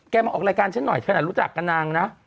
มาออกรายการฉันหน่อยฉันรู้จักกับนางนะ